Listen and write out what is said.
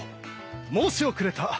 申し遅れた。